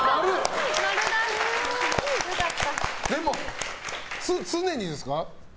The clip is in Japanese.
でも常にですか？